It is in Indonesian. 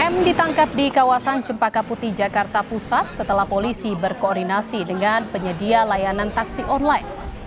m ditangkap di kawasan cempaka putih jakarta pusat setelah polisi berkoordinasi dengan penyedia layanan taksi online